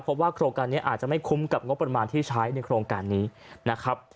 เพราะว่าโครงการนี้อาจจะไม่คุ้มกับงบประมาณที่ใช้ในโครงการนี้นะครับ